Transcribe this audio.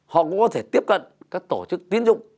họ cũng có thể tiếp cận các tổ chức tiến dụng